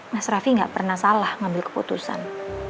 mas raffi nggak pernah salah ngambil keputusan